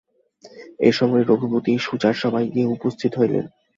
এই সময় রঘুপতি সুজার সভায় গিয়া উপস্থিত হইলেন।